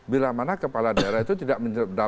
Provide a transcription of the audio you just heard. bila mana kepala daerah itu tidak bisa diperbolehkan